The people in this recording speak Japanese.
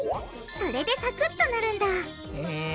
それでサクッとなるんだへぇ。